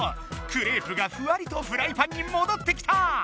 クレープがふわりとフライパンにもどってきた！